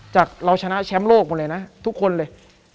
จากเราชนะแชมป์โลกหมดเลยนะทุกคนเลย